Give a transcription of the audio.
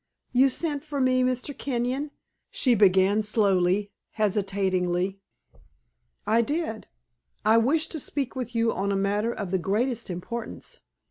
"You sent for me, Mr. Kenyon?" she began slowly, hesitatingly. "I did. I wish to speak with you on a matter of the greatest importance.